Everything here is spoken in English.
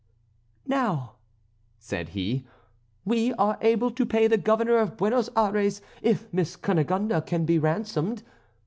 "Now," said he, "we are able to pay the Governor of Buenos Ayres if Miss Cunegonde can be ransomed.